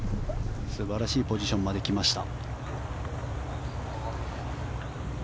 素晴らしいポジションまで来ました。